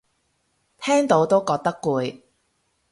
聽到都覺得攰